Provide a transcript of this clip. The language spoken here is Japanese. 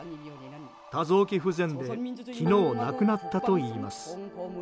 多臓器不全で昨日、亡くなったといいます。